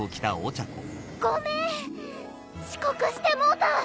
ごめん遅刻してもうた。